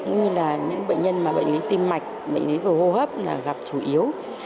những bệnh nhân bệnh lý tim mạch bệnh lý vừa hô hấp gặp chủ yếu